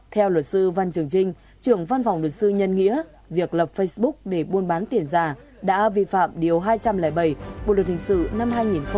theo luật sư văn trường trinh trưởng văn phòng luật sư nhân nghĩa việc lập facebook để buôn bán tiền giả đã vi phạm điều hai trăm linh bảy bộ luật hình sự năm hai nghìn một mươi năm